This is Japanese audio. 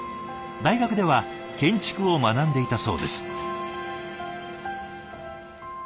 大学では建築を学んでいたそうです。